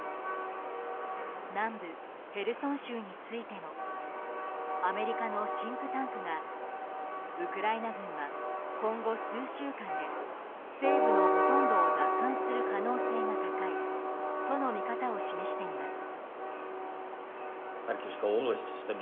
南部へルソン州についてもアメリカのシンクタンクがウクライナ軍は今後、数週間で西部のほとんどを奪還する可能性が高いとの見方を示しています。